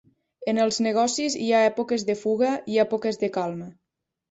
En els negocis hi ha èpoques de fuga i èpoques de calma.